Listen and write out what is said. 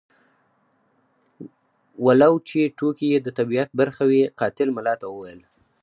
ولو چې ټوکې یې د طبیعت برخه وې قاتل ملا ته وویل.